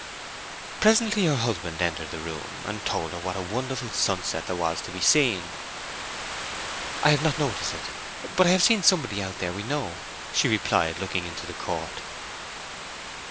Presently her husband entered the room, and told her what a wonderful sunset there was to be seen. "I have not noticed it. But I have seen somebody out there that we know," she replied, looking into the court.